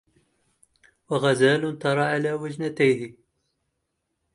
وغزال ترى على وجنتيه